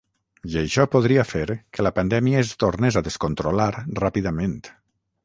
I això podria fer que la pandèmia es tornés a descontrolar ràpidament.